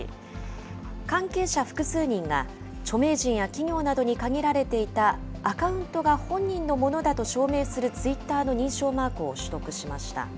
関係者複数人が、著名人や企業などに限られていたアカウントが本人のものだと証明するツイッターの認証マークを取得しました。